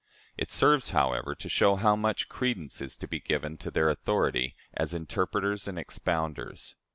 It serves, however, to show how much credence is to be given to their authority as interpreters and expounders.